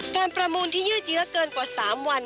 ประมูลที่ยืดเยอะเกินกว่า๓วัน